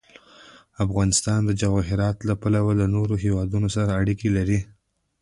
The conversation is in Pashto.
افغانستان د جواهرات له پلوه له نورو هېوادونو سره اړیکې لري.